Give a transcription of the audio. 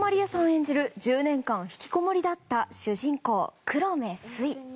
演じる１０年間ひきこもりだった主人公黒目すい。